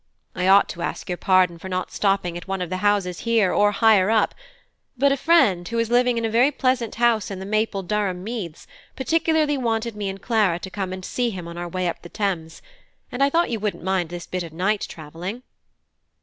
I ought to ask your pardon for not stopping at one of the houses here or higher up; but a friend, who is living in a very pleasant house in the Maple Durham meads, particularly wanted me and Clara to come and see him on our way up the Thames; and I thought you wouldn't mind this bit of night travelling."